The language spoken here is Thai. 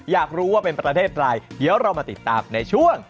อยากรู้ว่าเป็นประเทศอะไรเดี๋ยวเรามาติดตามในช่วง